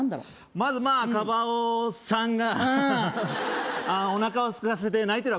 まずまあカバおさんがうんおなかをすかせて泣いてんだ